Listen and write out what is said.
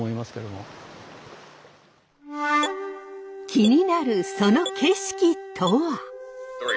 気になるその景色とは？